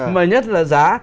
mà nhất là giá